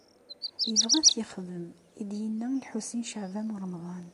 Yebɣa ad t-yexdem i d-yenna Lḥusin n Caɛban u Ṛemḍan.